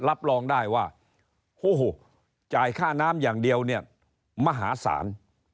รับรองได้ว่าจ่ายค่าน้ำอย่างเดียวเนี่ยมหาศาล